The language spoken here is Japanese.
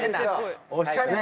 おしゃれな。